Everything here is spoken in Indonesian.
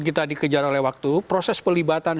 kita dikejar oleh waktu proses pelibatan